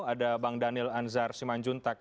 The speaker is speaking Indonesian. ada bang daniel anzar simanjuntak